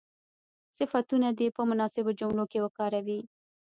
صفتونه دې په مناسبو جملو کې وکاروي.